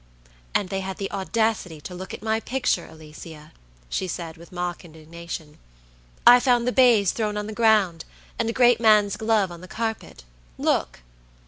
"And they had the audacity to look at my picture, Alicia," she said, with mock indignation. "I found the baize thrown on the ground, and a great man's glove on the carpet. Look!"